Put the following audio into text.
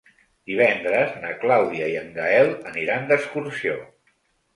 Divendres na Clàudia i en Gaël aniran d'excursió.